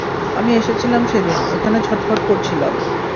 আমি এসেছিলাম সেদিন, এখানে ছটফট করছিলাম।